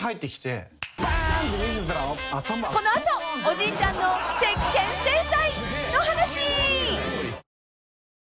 ［この後おじいちゃんの鉄拳制裁の話］